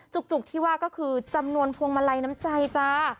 จุกที่ว่าก็คือจำนวนพวงมาลัยน้ำใจจ้า